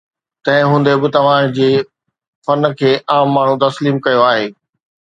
تنهن هوندي به توهان جي فن کي عام ماڻهو تسليم ڪيو آهي.